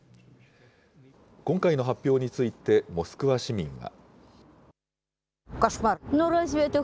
今回の発表について、モスクワ市民は。